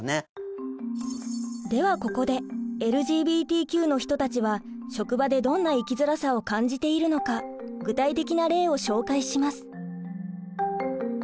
ではここでＬＧＢＴＱの人たちは職場でどんな生きづらさを感じているのか具体的な例を紹介します。